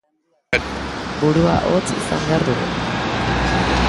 Burua hotz izan behar dugu.